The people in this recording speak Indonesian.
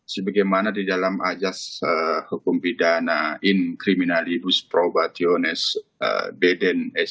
sebagaimana di dalam ajas hukum pidana in criminalibus probationes beden eselubae clarioris